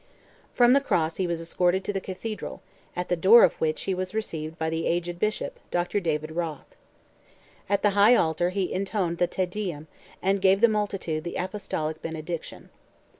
From the Cross he was escorted to the Cathedral, at the door of which he was received by the aged Bishop, Dr. David Rothe. At the high altar he intonated the Te Deum, and gave the multitude the apostolic benediction.